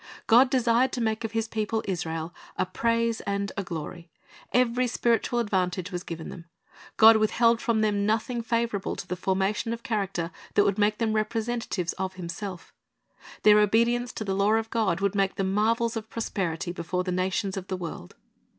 God desired to make of His people Israel a praise and a glory. Every spiritual advantage was given them. God withheld from them nothing favorable to the formation of character that would make them representatives of Himself Their obedience to the law of God would make them marvels of prosperity before the nations of the world.